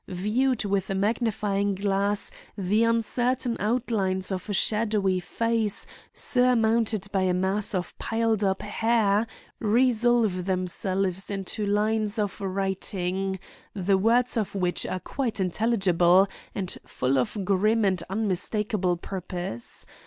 Viewed with a magnifying glass, the uncertain outlines of a shadowy face surmounted by a mass of piled up hair resolve themselves into lines of writing, the words of which are quite intelligible and full of grim and unmistakable purpose.